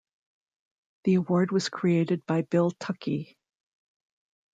The award was created by Bill Tuckey.